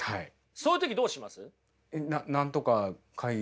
そういう時どうします？